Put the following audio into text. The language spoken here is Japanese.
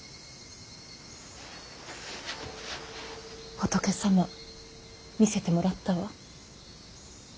仏様見せてもらったわ。